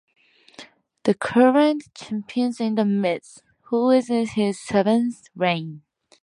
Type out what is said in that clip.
The current champion is The Miz, who is in his seventh reign.